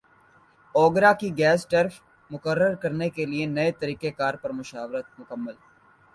اوگرا کی gas tariff مقرر کرنے کیلئے نئے طریقہ کار پر مشاورت مکمل